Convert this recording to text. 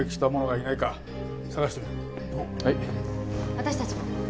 私たちも。